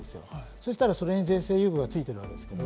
そしたらそれに税制優遇がついてるわけです。